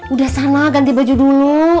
udah sana ganti baju dulu